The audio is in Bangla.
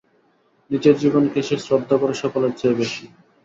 নিজের জীবনকে সে শ্রদ্ধা করে সকলের চেয়ে বেশি।